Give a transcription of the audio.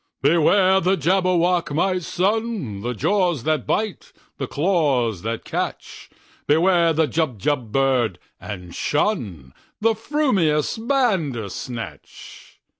"Beware the Jabberwock, my son! The jaws that bite, the claws that catch! Beware the Jubjub bird, and shunThe frumious Bandersnatch!"